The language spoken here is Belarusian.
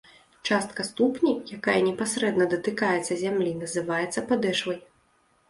Частка ступні, якая непасрэдна датыкаецца зямлі называецца падэшвай.